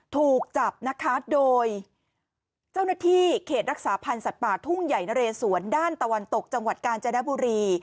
ถูกจับนะคะโดยเจ้าหน้าที่เขตรักษาพันธ์สัตว์ป่าทุ่งใหญ่นะเรสวนด้านตะวันตกจังหวัดกาญจนบุรี